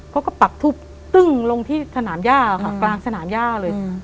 เขาก็ปักทูปตึ้งลงที่สนามหญ้าค่ะกลางสนามหญ้าเลย